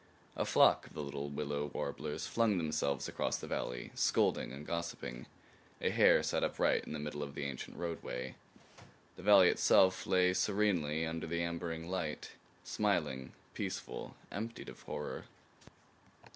A flock of the little willow warblers flung themselves across the valley, scolding and gossiping; a hare sat upright in the middle of the ancient roadway. The valley itself lay serenely under the ambering light, smiling, peaceful emptied of horror!